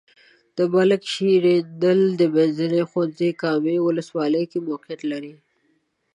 د ملک شیریندل منځنی ښونځی کامې ولسوالۍ کې موقعیت لري.